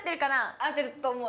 合ってると思う。